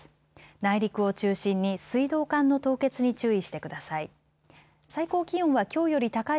内陸を中心に水道管の凍結に注意してください。